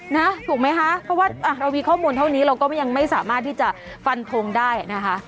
นะถูกไหมคะเพราะว่าเรามีข้อมูลเท่านี้เราก็ยังไม่สามารถที่จะฟันทงได้นะคะ